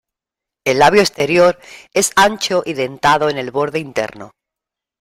El labio exterior es ancho y dentado en el borde interno.